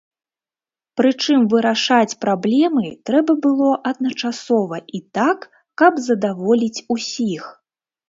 Прычым вырашаць праблемы трэба было адначасова і так, каб задаволіць усіх.